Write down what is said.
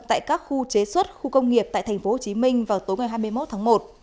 tại các khu chế xuất khu công nghiệp tại tp hcm vào tối ngày hai mươi một tháng một